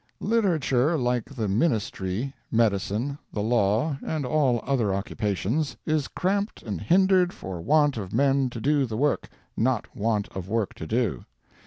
Literature, like the ministry, medicine, the law, and all other occupations, is cramped and hindered for want of men to do the work, not want of work to do.